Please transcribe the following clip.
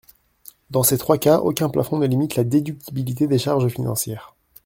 Dans ces trois cas, aucun plafond ne limite la déductibilité des charges financières.